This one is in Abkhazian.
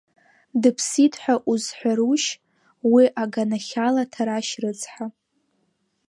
Дыԥсит ҳәа узҳәарушь уи аганахьала Ҭарашь рыцҳа?